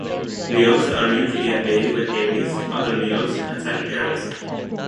Leos are usually at bay with Aries, Other Leos and Sagittarius.